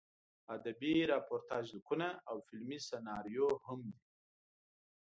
ادبي راپورتاژ لیکونه او فلمي سناریو هم دي.